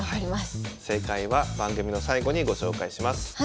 正解は番組の最後にご紹介します。